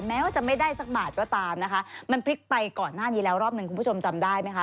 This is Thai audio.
แม้ว่าจะไม่ได้สักบาทก็ตามนะคะมันพลิกไปก่อนหน้านี้แล้วรอบหนึ่งคุณผู้ชมจำได้ไหมคะ